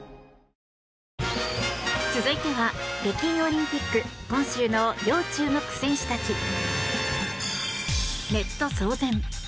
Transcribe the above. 続いては北京オリンピック今週の要注目選手たち。